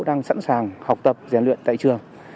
đang sẵn sàng học tập rèn luyện tại trường